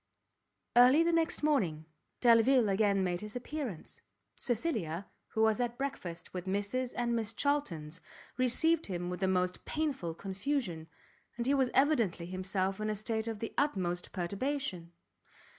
Early the next morning, Delvile again made his appearance. Cecilia, who was at breakfast with Mrs and Miss Charltons, received him with the most painful confusion, and he was evidently himself in a state of the utmost perturbation.